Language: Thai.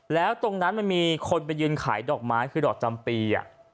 แล้วตรงนั้นมันมีคนไปยืนขายดอกไม้คือดอกจำปี